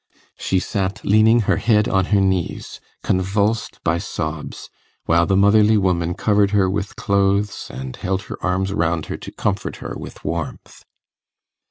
She sat leaning her head on her knees, convulsed by sobs, while the motherly woman covered her with clothes and held her arms round her to comfort her with warmth.